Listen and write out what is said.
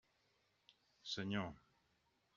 Senyor.